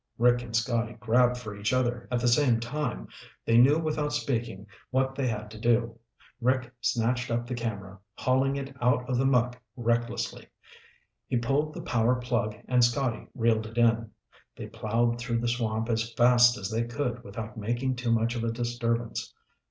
Rick and Scotty grabbed for each other at the same time. They knew without speaking what they had to do. Rick snatched up the camera, hauling it out of the muck recklessly. He pulled the power plug and Scotty reeled it in. They plowed through the swamp as fast as they could without making too much of a disturbance.